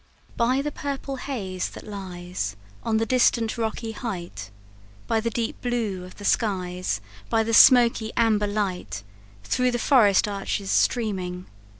By the purple haze that lies On the distant rocky height, By the deep blue of the skies, By the smoky amber light, Through the forest arches streaming.